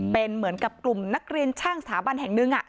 เป็นเหมือนกับกลุ่มนักเรียนช่างสถาบันแห่งหนึ่ง